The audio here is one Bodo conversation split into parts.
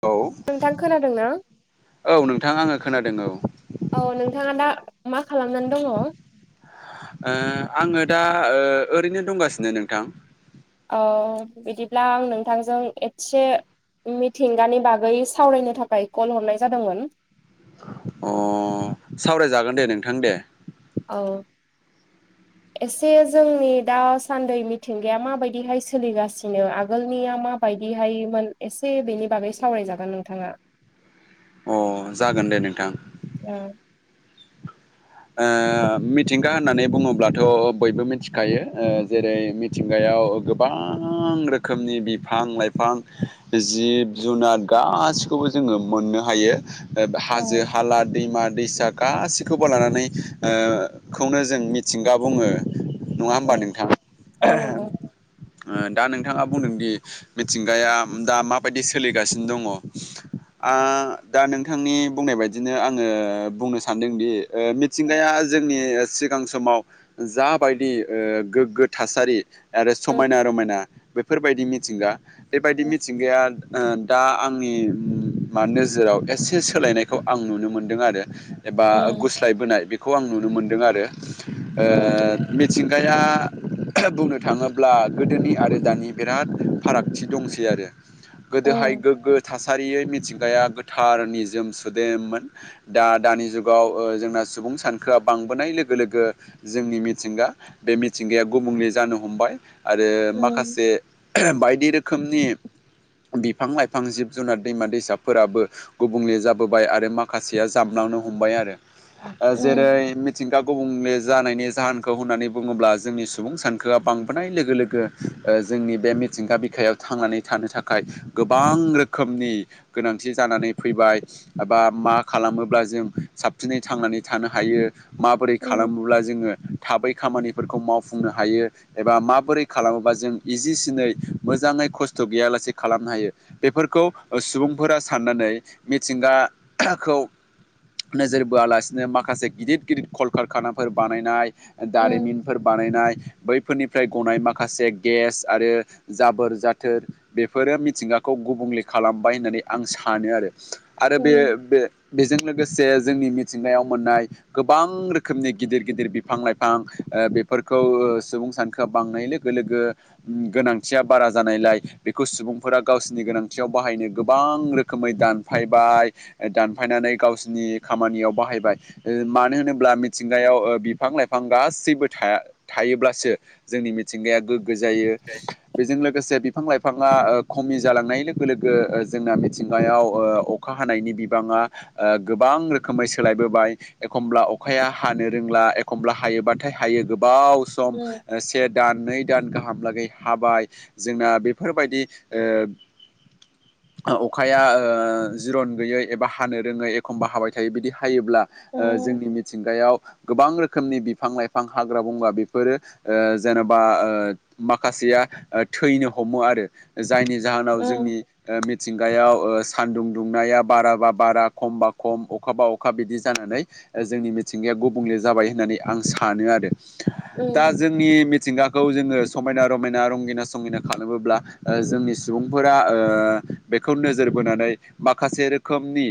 औ नोंथां खोनादों ना? औ नोंथां आङो खोनादों औ औ नोंथाङा दा मा खालामनानै दङ? ओ आङो दा ओ ओरैनो दंगासिनो नोंथां। अ' बिदिब्ला आं नोंथांजों एस्से मिथिंगानि बागै सावरायनो थाखाय कल हरनाय जादोंमोन। अ' सावरायजागोन दे नोंथां दे। औ। एसे जोंनि दासान्दै मिथिंगाया माबायदिहाय सोलिगासिनो आगोलनिया मा बायदिहायमोन एसे बेनि बागै सावराय जागोन नोंथाङा। अ' जागोन दे नोंथां। औ। ओ मिथिंगा होननानै बुङोब्लाथ' बयबो मिथिखायो ओ जेरै मिथिंगायाव गोबां रोखोमनि बिफां लाइफां जिब जुनार गासिखौबो जोङो मोननो हायो। हाजो, हाला, दैमा, दैसा गासिखौबो लानानै ओ खौनो जों मिथिंगा बुङो। नङा होमबा नोंथाङा औ नंगौ दा नोंथाङा बुंदों दि मिथिंगाया दा माबायदि सोलिगासिनो दङ। आ दा नोंथांनि बुंनाय बायदिनो आङो बुंनो सानदोंदि ओ मिथिंगाया जोंनि सिगां समाव जाबायदि गोग्गो थासारि। आरो उम समायना रमायना बेफोरबायदि मिथिंगा बेबायदि मिथिंगाया दा आंनि मा नोजोराव एसे सोलायनायखौ आं नुनो मोनदों आरो एबा उम गुस्लायबोनाय बेखौ आं नुनो मोनदों आरोओ उम मिथिंगाया बुंनो थाङोब्ला गोदोनि आरो दानि बिराद फारागथि दंसै आरो गोदोहाय उम गोग्गो थासारियै मिथिंगाया गोथार नि जोम सुदेममोन। दा दानि जुगाव जोंना सुबुं सानखोआ बांबोनाय लोगो लोगो जोंनि मिथिंगा बे मिथिंगाया गुबुंले जानो हमबाय आरो उम माखासे बायदि रोखोमनि बिफां लाइफां, जिब, जुनार, दैमा, दैसाफोराबो गुबुंले जाबोबाय आरो माखासेया जाबलांनो हमबाय आरो जेरै मिथिंगा गुबुंले जानायनि जाहोनखौ होननानै बुङोब्ला जोंनि सुबुं सानखोआ बांबोनाय लोगो लोगो जोंनि बे मिथिंगा बिखायाव थांनानै थानो थाखाय गोबां रोखोमनि गोनांथि जानानै फैबाय। एबा मा खालामोब्ला जों साबसिनै थांनानै थानो हायो माबोरै उम खालामोब्ला जोङो थाबै खामानिफोरखौ मावफुंनो हायो। एबा माबोरै खालामोबा जों इजिसिनै मोजाङै खस्थ' गैयालासे खालामनो हायो। बेफोरखौ सुबुंफोरा साननानै मिथिंगाखौ नोजोर बोआलासिनो माखासे गिदिर गिदिर कलकारखानाफोर बानायनाय उम दारिमिन फोर बानायनाय बैफोरनिफ्राय गनाय माखासे गेस आरो जाबोर जाथोर बेफोरो मिथिंगाखौ गुबुंले खालामबाय होननानै आं सानो आरो आरो बे उम बेजों लोगोसे जोंनि मिथिंगायाव मोननाय गोबां रोखोमनि गिदिर गिदिर बिफां लाइफां बेफोरखौ सुबुं सानखोआ बांनाय लो गो लोगो गोनांथिया बारा जानायलाय बेखौ सुबुंफोरा गावसिनि गोनांथियाव बाहायनो गोबां रोखोम रोखोमै दानफायबाय दानफायनानै गावसोरनि खामानियाव बाहायबाय मानो होनोब्ला मिथिंगायाव बिफां लाइफां गासैबो थाया। थायोब्लासो जोंनि मिथिंगाया गोग्गो जायो। बेजों लोगोसे बिफां लाइफाङा खमि जालांनाय लोगो लोगो जोंना मिथिंगायाव अखा हानायनि बिबाङा गोबां सोलायबोबाय एखमब्ला अखाया हानो रोंला एखमब्ला हायोबाथाय हायो गोबाव सम से दान नै दान गाहामलागै हाबाय जोंना बेफोरबायदि अखाया जिरन गैयै एबा हानो रोङै एखमबा हाबाय थायो बिदि थायोब्ला उम जोंनि मिथिंगायाव गोबां रोखोमनि बिफां लाइफां हाग्रा बंग्रा बेफोरो जेनेबा माखासेया थैनो हमो आरो जायनि जाहोनाव उम जोंनि मिथिंगायाव सानदुं दुंनाया बारा बा बारा खमबा खम अखाबा अखा बिदि जानानै जोंनि मिथिंगाया गुबुंले जाबाय होननानै आं सानो आरो दा उम जोंनि मिथिंगाखौ जोङो समायना रमायना रंगिना संगिना खालामोब्ला जोंनि सुबुंफोरा बेखौ नोजोर बोनानै माखासे रोखोमनि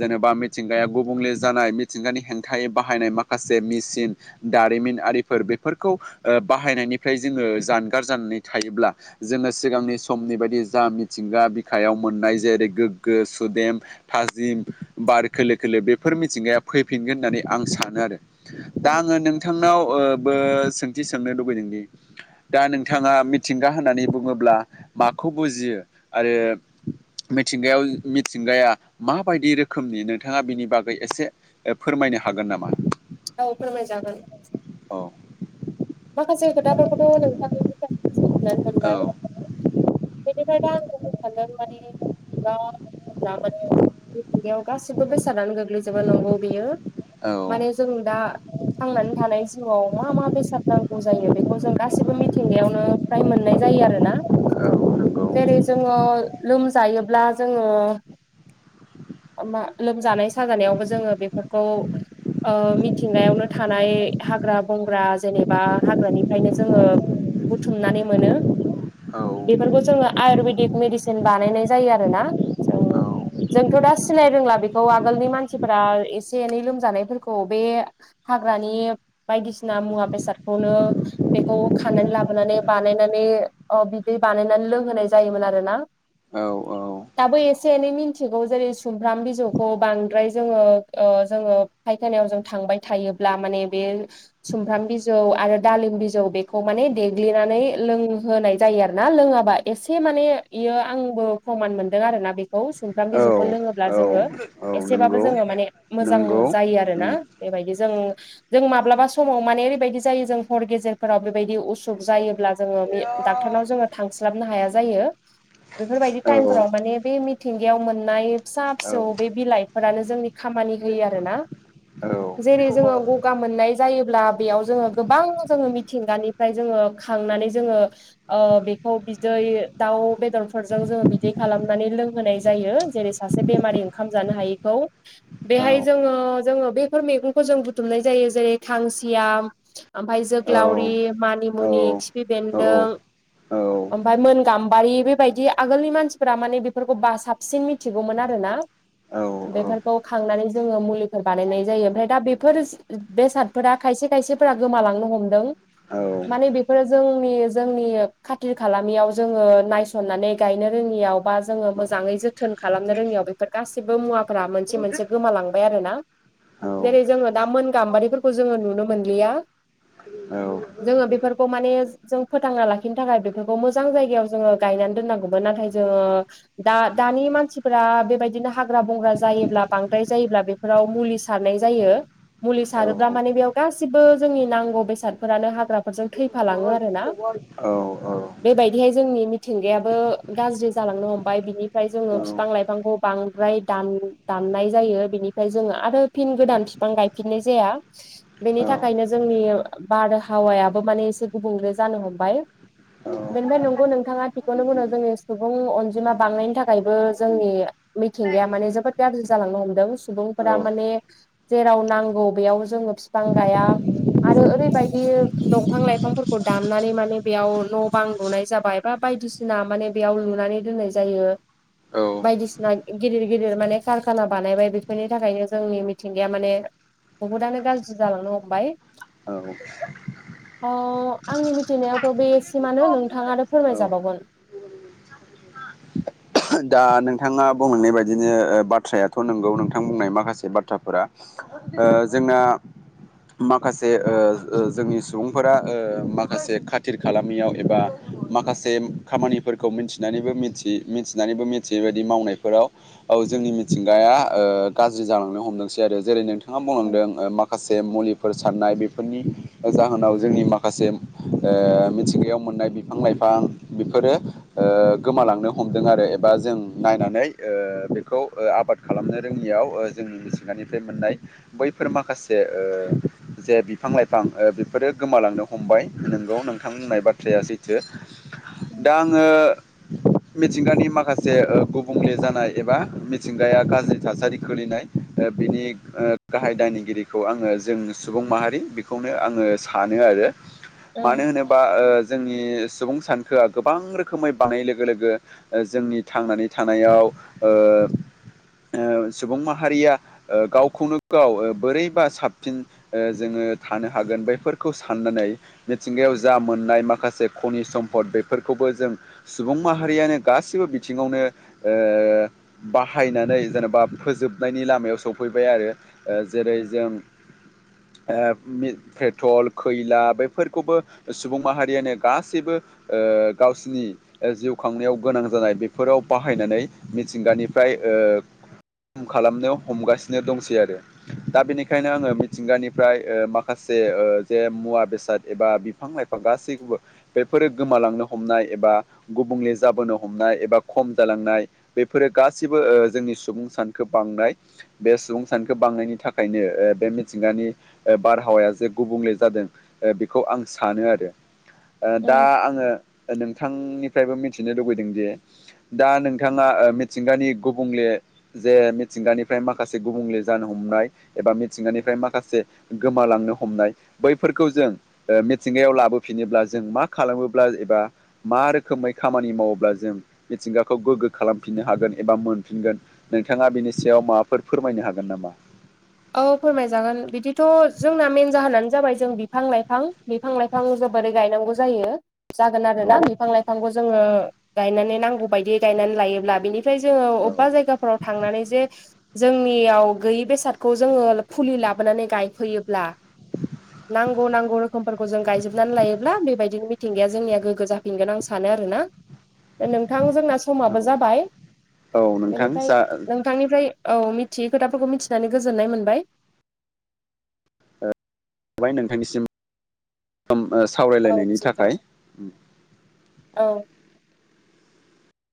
जेनेबा मिथिंगाया गुबुंले जानाय मिथिंगानि हेंथायै बाहायनाय माखासे मिसिन दारिमिन आरिफोर बेफोरखौ ओ बाहायनायनिफ्राय जोङो जानगार जानानै थायोब्ला जोङो सिगांनि समनि बायदि जा मिथिंगा बिखायाव मोननाय जेरै गोग्गो सुदेम थाजिम बार खोलो खोलो बेब फोर मिथिंगाया फैफिनगोन होननानै आं सानो आरो उम दा आङो नों थांनाव ओ बो सोंथि सोंनो लुबैदोंदि दा नोंथाङा मिथिंगा होननानै बुङोब्ला माखौ बुजियो आरो मिथिंगायाव मिथिंगाया माबायदि रोखोमनि नोंथाङा बिनि बागै एसे ओ फोरमायनो हागोन नामा औ फोरमायजागोन औ माखासे खोथाफोरखौथ नोंथांनि [unintelligible] मिथिनानै औ मोनबाय [unintelligible] बेराद हमब्ला माने मिथिंगायाव गासिबो बेसादानो गोग्लैजोबो नांगौ बियो औ माने जों दा थांनानै थानाय जिउआव मा मा बेसाद नांगौ जायो बेखौ जों गासैबो मिथिंगायावनो फ्राय मोननाय जायो आरो ना नंगौ जेरै जोङो लोमजायोब्ला जोङो ओमा लोमजानाय साजानायावबो जोङो बेफोरखौ ओ मिथिंगायावनो थानाय हाग्रा बंग्रा जेनेब बा हाग्रानिफ्रायनो जोङो बुथुमनानै मोनो औ बेफोरखौ जोङो आयुरवेदिक मेडिसिन बानायनाय जायो आरोना जों जोंथ दा सिनाय रोंला बेखौ आगोलनि मानसिफोरा एसे एनै लोमजानायफोरखौ बे हाग्रानि बायदिसिना मुवा बेसादखौनो बेखौ खानानै लाबोनानै बानायनानै अ बिदै बानायनानै लोंहोनाय जायोमोन आरोना औ औ दाबो एसे एनै मिन्थिगौ जेरै सुमफ्राम बिजौखौ बांद्राय जोङो ओ जोङो फायखानायाव जों थांबाय थायोब्ला माने बे सुमफ्राम बिज बिजौ आरो दालिम बिजौ बेखौ माने देग्लिनानै लोंहोनाय जायो आरो ना लोङाबा एसे माने इयो आंबो प्रमान मोनदों आरो ना बेख औ सुमफ्राम बिजौखौ लोङोब्ला औ जोङो औ औ एसेबाबो नंगौ जोङो माने मोजां नंगौ जायो आरो आरोना उम बेबायदि जों जों माब्लाबा समाव माने ओरैबायदि जायो जों हर गेजेरफोराव बेबायदि उसुख जायोब्ला जोङो मि डाक्टरनाव जोङो थांस्लाबनो हाया जायो बेफोरबायदि औ औ टाइमफोराव माने बे मिथिंगायाव मोननाय फिसा औ फिसौ बे बिलाइ फोरानो जोंनि खामानि होयो आरो ना औ जेरै जोङो गगा मोननाय जायोब्ला बेयाव जोङो गोबां जोङो मिथिंगानिफ्राय जोङो खांनानै जोङो ओ बेखौ बिदै दाउ बेदरफोरजों जोङो बिदै खालामनानै लोंहोनाय जायो जेरै सासे बेमारि ओंखाम जानो हायैखौ औ बेहाय जोङो जोङो बेफोर मैगंखौ जों बुथुमनाय जायो जेरै खांसिया ओमफाय जोग्लावरि मानिमुनि खिफि बेन्दों औ औ ओमफाय मोन गाम्बारि बेबायदि आगोलनि मानसिफोरा माने बेफोरखौ बा साबसिन मि मिथिगौमोन आरोना औ औ बेफोरखौ खांनानै जोङो मुलिफोर बानायनाय जायो ओमफाय दा बेफोर बेसादफोरा खायसे खायसेफोरा गोमालांनो हमदों औ माने बेफोरो जोंनि जोंनि खाथिर खालामालामियाव जोङो नायस सननानै गायनो रोङियाव बा जोङो मोजाङै जोथोन खालामनो रोङियाव बेफ गासिबो मुवा मोनसे मोनसे गोमालांबाय आरोना औ जेरै जोङो दा मोन गाम्बारिफोरखौ जोङो नुनो मोनलिया औ जोङो बेफोरखौ माने जों फोथांना लाखिनो थाखाय बेफोरखौ मोजां जायगायाव जोङो गायनानै दोननांगौमोन नाथाय जोङो दा दानि मानसिफोरा बेबायदिनो हाग्रा बंग्रा जायोब्ला बांद्राय जायोब्ला बे फोराव मुलि सारनाय जायो मुलि औ सारोब्ला औ माने बेयाव गासिबो जोंनि नांगौ बेसादफोरानो हाग्राफोरजों थैफालाङो आरोोना बेबायदिहाय जोंनि मिथिंगायाबो गाज्रि जालांनो हमबाय बिनिफ्राय जोङो बिफां लाइफांखौ बांद्राय दान दाननाय जायो, बिनिफ्राय जोङो आरो फिन गोदान बिफां गायफिननाय जाया। बेनि थाखाय ओंखायनो जोंनि बारहावायाबो माने एसे गुबुंले जानो हमबाय। बेनिफ्राय नंगौ नोंथाङा थिखौनो बुदों जोंनि सुबुं अनजिमा बांनायनि थाखायबो जोंनि मिथिंगाया माने जोबोद गाज्रि जालांनो हमदों सुबुंफोरा माने जेराव नांगौ बेयाव जोङो बिफां गाया आरो ओरैबायदि दंफां लाइफांफोरखौ दाननानै माने बेयाव न' बां लुनाय जाबाय बा बायदिसिना माने बेयाव लुनानै दोननाय जायो। बायदिसिना गिदिर गिदिर माने कारखाना बानायबाय। बेफोरनि थाखायनो जोंनि मिथिंगाया माने बहुदआनो गाज्रि जालांनो हमबाय। औ। अ आंनि मिथिनायावथ' बेसिमानो नोंथाङानो फोरमायजाबावगोन। [unintelligible] दा नोंथाङा बुंलांनाय बादिनो ओ बाथ्रायाथ' नंगौ नोंथां बुंनाय माखासे बाथ्राफोरा ओ जोंना माखासे ओ ओ जोंनि सुबुंफोरा ओ माखासे खाथिर खालामियाव एबा माखासे खामानिफोरखौ मिथिनानैबो मिथि-मिथिनानैबो मिथियै बायदि मावनायफोराव औ जोंनि मिथिंगाया ओ गाज्रि जालांनो हमदोंसै आरो । जेरै नोंथाङा बुंलांदों ओ माखासे मुलिफोर सारनाय बेफोरनि जाहोनाव जोंनि माखासे ओ मिथिंगायाव मोननाय बिफां लाइफां बेफोरो ओ गोमालांनो हम हमदों आरो एबा जों नायनानै ओ बेखौ ओ आबाद खालामनो रोङियाव ओ जों हाग्रानिफ्राय मोननाय बैफोर माखासे ओ जे बिफां लाइफां ओ बेफोरो गोमालांनो हमबाय, नोंगौ नोंथां बुंनाय बाथ्राया सैथो। औ दा आङो मिथिंगानि माखासे ओ गुबुंले जानाय एबा मिथिंगाया गाज्रि थासारि खोलैनाय ओ बिनि ओ गाहाय दायनिगिरिखौ आङो जों सुबुं माहारि बेखौनो आङो स सानो आरो। उम मानो होनोबा ओ जोंनि सुबुं सानखोआ गोबां रोखोमै बांनाय लोगो लोगो ओ जोंनि थांनानै थानायाव ओ सुबुं माहारिया ओ गावखौनो गाव ओ बोरैबा साबसिन ओ जोङो थानो हागोन बैफोरखौ साननानै मिथिंगायाव जा मोननाय माखासे खनि सम्पद बेफोरखौबो जों सुबुं माहारियानो गासिबो बिथिङावनो ओ बाहायनानै जेनबा फोजोबनायनि लामायाव सफैबाय आरो जेरै उम जों ओ पि-पेट्रल खैला बेफोरखौबो सुबुं माहारियानो गासैबो ओ गावसिनि ओ जिउ खांनायाव गोनां जानाय बेफोराव बाहायनानै मिथिंगानिफ्राय ओ [unintelligible] खालामनायाव हमगासिनो दंसै आरो। दा बेनिखायनो आङो मिथिंगानिफ्राय ओ माखासे ओ जे मुवा बेसाद एबा बिफां लाइफां गासैखौबो बेफोरो गोमालांनो हमनाय एबा गुबुंले जाबोनो हम हमनाय एबा खम जालांनाय बेफोरो गासिबो जोंनि ओ सुबुं सानखो बांनाय बे सुबुं सानखौ बांनायनि थाखायनो ओबे मिथिंगानि ओ बारहावाया जे गुबुंले जादों। ओ बेखौ आं उम सानो आरो। दा उम आङो ओ नोंथांनिफ्रायबो मिथिनो लुबैदों जे दा नोंथाङा मिथिंगानि गुबुंले जे मिथिंगानिफ्राय माखासे गुबुंले जानो हमनाय एबा मिथिंगानिफ्राय माखासे गोमालांनो हमनाय बैफोरखौ जों ओ मिथिंगायाव लाबोफिनोब्ला जों मा खालामोब्ला एबा मा रोखोमै खामानि माव अब्ला जों मिथिंगाखौ गोगो खालामफिननो हागोन एबा मोनफिनगोन नोंथाङा बिनि सायाव माबाफोर फोरमायनो हागोन नामा? औ फोरमायजागोन बिदिथ' जोंना मेेन जाहोनानो जाबाय जों बिफां लाइफां, बिफां लाइ फां जोबोरै गायनांगौ जायो। जागोन औ आरोना बिफां लाइफांखौ जोङो गायनानै नांगौ बायदि गायनानै लायोब्ला बिनि ओमफ्राय जोङो अबबा औ जायगाफोराव थांनानै जे जोंनियाव गैयि बेसाद खौ जोङो फुलि लाबोनानै गायफैयोब्ला नांगौ नांगौ रोखोमफोरखौ जों गायजोबनानै लायोब्ला बेबायदिनो मिथिंगाया जोंनिया गोगो जा फिनगोन आं सानो आरोना दा नोंथां जोंना समाबो औ जाबाय औ नोंथां बेनिफ्राय जाबाय नों थांनिफ्राय औ मिथियै खोथाफोरखौ मिथिनानै गोजोननाय मोनबाय। थाबाय नोंथांनिसिम फ्राम ओ औ सावरायलायनायनि गोजोन्थों थाखाय। औ